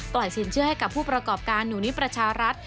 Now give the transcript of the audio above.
สินเชื่อให้กับผู้ประกอบการหนูนิประชารัฐ